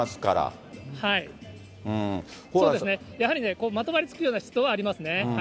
そうですね、やはりまとわりつくような湿度はありますね。